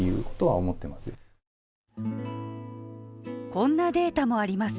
こんなデータもあります。